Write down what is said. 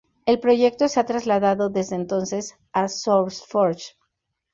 El proyecto se ha trasladado desde entonces a "SourceForge".